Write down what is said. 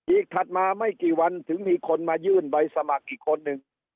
ถัดมาไม่กี่วันถึงมีคนมายื่นใบสมัครอีกคนนึง